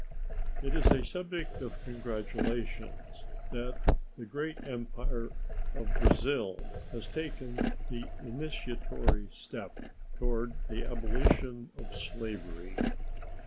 It is a subject for congratulation that the great Empire of Brazil has taken the initiatory step toward the abolition of slavery.